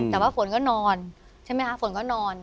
แต่ว่าฝนก็นอนใช่ไหมคะฝนก็นอน